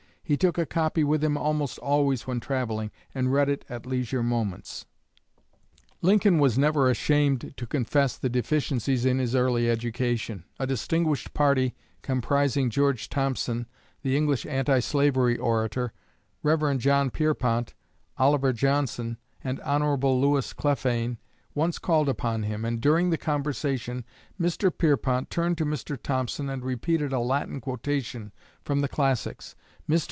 He took a copy with him almost always when travelling, and read it at leisure moments." Lincoln was never ashamed to confess the deficiencies in his early education. A distinguished party, comprising George Thompson, the English anti slavery orator, Rev. John Pierpont, Oliver Johnson, and Hon. Lewis Clephane, once called upon him, and during the conversation Mr. Pierpont turned to Mr. Thompson and repeated a Latin quotation from the classics. Mr.